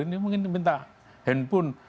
ini mungkin minta handphone